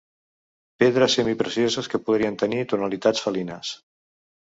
Pedres semiprecioses que podrien tenir tonalitats felines.